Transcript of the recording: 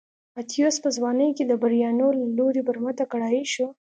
اتیوس په ځوانۍ کې د بربریانو له لوري برمته کړای شو